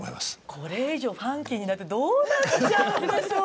これ以上ファンキーになってどうなっちゃうんでしょう。